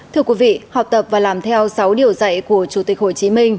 thưa quý vị học tập và làm theo sáu điều dạy của chủ tịch hồ chí minh